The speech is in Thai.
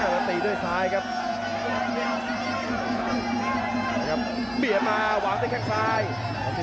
สักสิทธิ์พยายามจะล็อคไนต์ตี